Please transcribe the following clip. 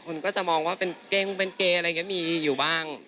คนก็จะมองว่าเป็นเกงเป็นเกย์อะไรอย่างนี้มีอยู่บ้าง